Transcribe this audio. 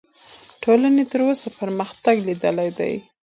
ټولنې تر اوسه پرمختګ لیدلی دی.